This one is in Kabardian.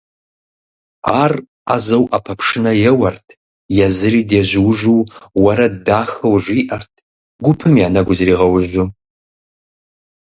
Ар ӏэзэу ӏэпэпшынэ еуэрт, езыри дежьуужу, уэрэд дахэу жиӏэрт, гупым я нэгу зригъэужьу.